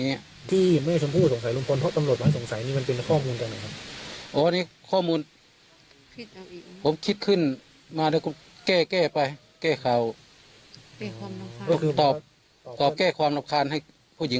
ไม่ใช่ครับไม่ใช่อ๋อแล้วตอนนี้คือยืนยันจะเอาเรื่องถึงที่สุดไหม